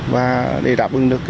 và để đảm bảo được